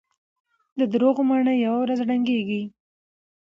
د دروغو ماڼۍ يوه ورځ ړنګېږي.